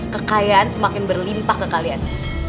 kekayaan semakin berlimpah ke kalian